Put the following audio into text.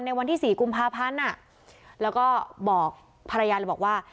วันที่๔กุมภาพันธ์แล้วก็บอกภรรยาเลยบอกว่า